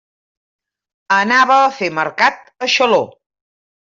Anava a fer mercat a Xaló.